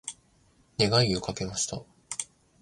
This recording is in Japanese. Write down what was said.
願いをかけました。